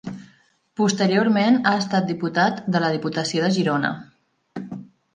Posteriorment ha estat diputat de la Diputació de Girona.